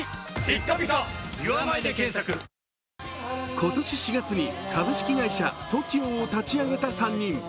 今年４月に株式会社ＴＯＫＩＯを立ち上げた３人。